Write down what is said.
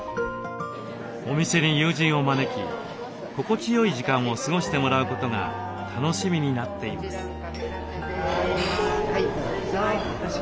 お店に友人を招き心地よい時間を過ごしてもらうことが楽しみになっています。